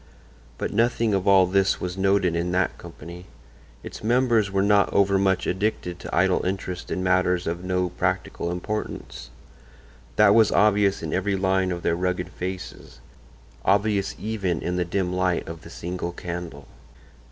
But nothing of all this was noted in that company; its members were not overmuch addicted to idle interest in matters of no practical importance; that was obvious in every line of their rugged faces—obvious even in the dim light of the single candle.